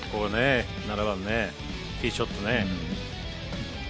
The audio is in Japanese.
７番ねティーショットね。